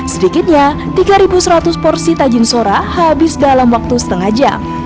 sedikitnya tiga seratus porsi tajin sora habis dalam waktu setengah jam